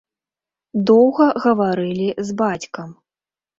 Доўга гаварылі з бацькам.